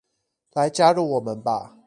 來加入我們吧